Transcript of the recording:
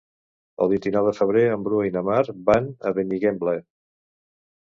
El vint-i-nou de febrer en Bru i na Mar van a Benigembla.